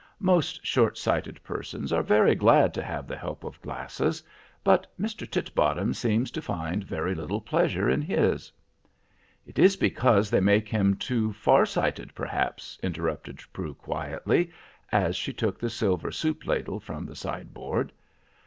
Most short sighted persons are very glad to have the help of glasses; but Mr. Titbottom seems to find very little pleasure in his." "It is because they make him too far sighted, perhaps," interrupted Prue quietly, as she took the silver soup ladle from the sideboard.